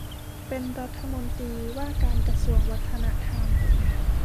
เป็นรัฐมนตรีว่าการกระทรวงวัฒนธรรม